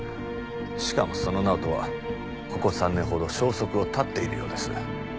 しかもその直人はここ３年ほど消息を絶っているようです。